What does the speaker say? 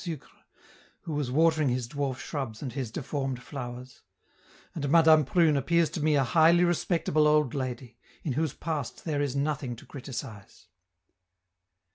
Sucre, who was watering his dwarf shrubs and his deformed flowers; and Madame Prune appears to me a highly respectable old lady, in whose past there is nothing to criticise.